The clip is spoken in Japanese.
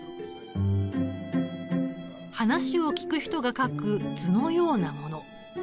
話を聞く人が書く図のようなもの。